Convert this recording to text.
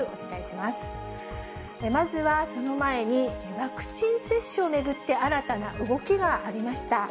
まずはその前に、ワクチン接種を巡って、新たな動きがありました。